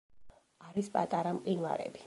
არის პატარა მყინვარები.